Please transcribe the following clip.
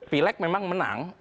pilek memang menang